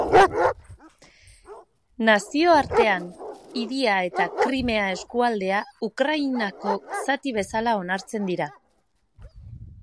Nazioartean, hiria eta Krimea eskualdea Ukrainako zati bezala onartzen dira.